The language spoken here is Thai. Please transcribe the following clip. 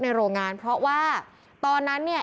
โรงงานเพราะว่าตอนนั้นเนี่ย